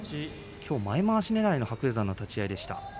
きょうも前回しねらいの白鷹山の立ち合いでした。